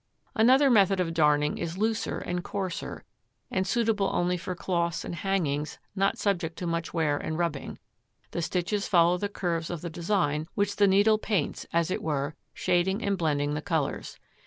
Another method of darning is looser and coarser, and suitable only for cloths and hangings not subject to much wear and rubbing; the stitches follow the curves of the design, which the needle paints, as it were, shading and blending the colours.